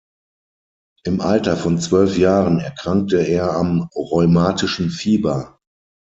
Im Alter von zwölf Jahren erkrankte er am rheumatischen Fieber.